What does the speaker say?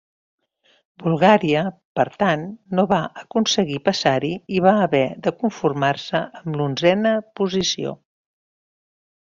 Bulgària, per tant, no va aconseguir passar-hi i va haver de conformar-se amb l'onzena posició.